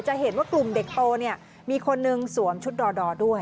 จะเห็นว่ากลุ่มเด็กโตเนี่ยมีคนนึงสวมชุดดอดอด้วย